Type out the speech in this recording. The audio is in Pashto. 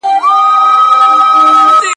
لکه د شپونکي سپي چي يې كوي